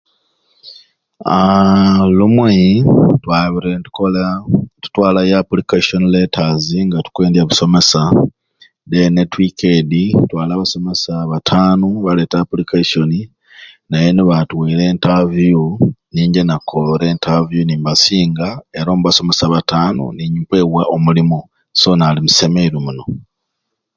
Haaa lumwei twabire netukola ne tutwalayo application letters nga tukwendya busomesa then n'etwika eddi twali abasomesa bataanu abaletere application naye nebatuwerye interview ningye ningye nakore interview nimbasinga era omu basomesa abataanu nimpebwa omulimu so nali musemeri muno